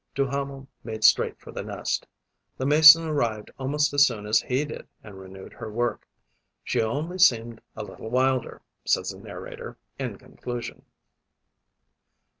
Duhamel made straight for the nest. The Mason arrived almost as soon as he did and renewed her work. She only seemed a little wilder, says the narrator, in conclusion.